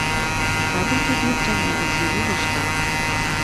په کابل کې ډېر جمنازیمونه شته.